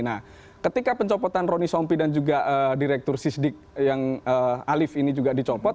nah ketika pencopotan roni sompi dan juga direktur sisdik yang alif ini juga dicopot